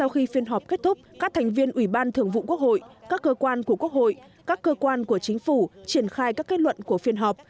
khi phiên họp kết thúc các thành viên ủy ban thường vụ quốc hội các cơ quan của quốc hội các cơ quan của chính phủ triển khai các kết luận của phiên họp